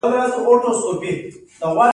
استاد د علم ډیوه روښانه ساتي.